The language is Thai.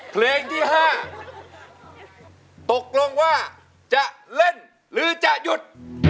เพลงที่๕ตกลงว่าจะเล่นหรือจะหยุด